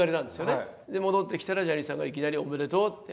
で戻ってきたらジャニーさんがいきなり「おめでとう」って。